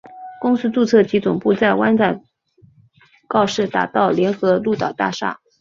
公司注册地及总部在湾仔告士打道联合鹿岛大厦。